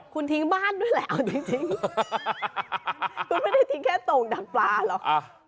คุณทิ้งบ้านด้วยแหละเอาจริงคุณไม่ได้ทิ้งแค่โต่งดักปลาหรอก